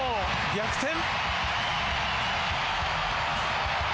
逆転！